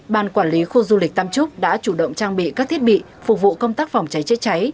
ban quản lý khu du lịch tam trúc đã chủ động trang bị các thiết bị phục vụ công tác phòng cháy chữa cháy